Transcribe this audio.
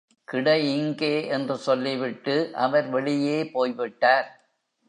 கிட இங்கே என்று சொல்லி விட்டு அவர் வெளியே போய்விட்டார்.